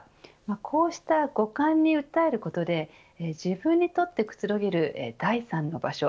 こうした五感に訴えることで自分にとってくつろげる第３の場所。